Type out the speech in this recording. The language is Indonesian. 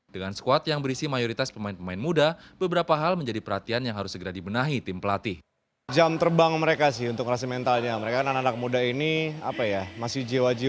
dengan squad yang berisi mayoritas pemain pemain muda beberapa hal menjadi perhatian yang harus segera dibenahi tim pelatih